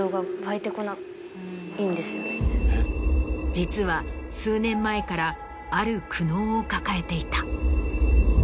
実は数年前からある苦悩を抱えていた。